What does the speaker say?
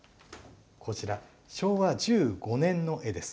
こちら、昭和１５年の絵です。